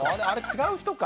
違う人か。